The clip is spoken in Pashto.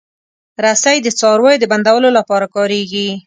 رسۍ د څارویو د بندولو لپاره کارېږي.